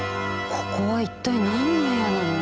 ここは一体何の部屋なの？